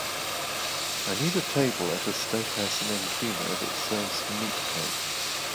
I need a table at a steakhouse in Encino that serves meatcake